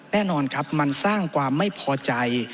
แน่นอนครับมันสร้างความไม่พอใจ